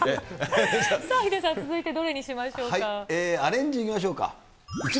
さあ、ヒデさん、続いてどれアレンジいきましょうか。